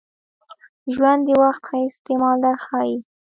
ژوند د وخت ښه استعمال در ښایي .